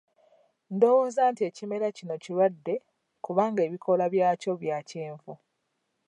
Ndowooza nti ekimera kino kirwadde kubanga ebikoola byakyo bya kyenvu.